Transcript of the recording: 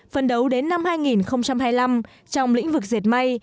phần đấu đến năm hai nghìn hai mươi năm trong lĩnh vực diệt mây